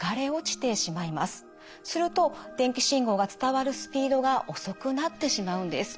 すると電気信号が伝わるスピードが遅くなってしまうんです。